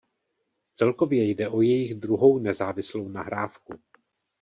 Celkově jde jejich o druhou nezávislou nahrávku.